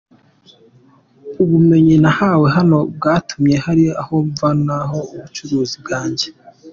Ubumenyi nahawe hano bwatumye hari aho mvana ubucuruzi bwanjye.